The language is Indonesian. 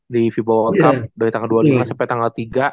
di fiba world cup dari tanggal dua puluh lima sampai tanggal tiga